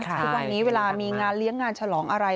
ทุกวันนี้เวลามีงานเลี้ยงงานฉลองอะไร